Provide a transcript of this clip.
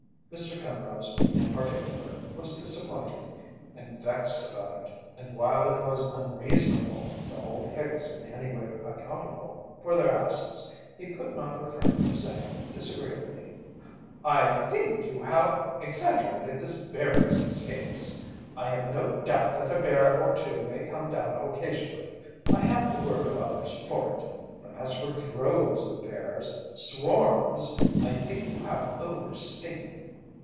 Mr. Penrose, in particular, was disappointed and vexed about it, and while it was unreasonable to hold Hicks in any way accountable for their absence, he could not refrain from saying disagreeably: "I think you have exaggerated this bear business, Hicks. I have no doubt that a bear or two may come down occasionally, I have the word of others for it, but as for droves of bears swarms I think you have overstated."